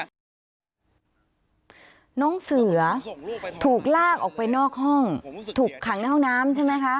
น้องเสือถูกลากออกไปนอกห้องถูกขังในห้องน้ำใช่ไหมคะ